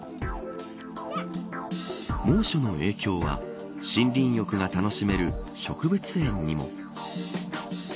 猛暑の影響は森林浴が楽しめる植物園にも。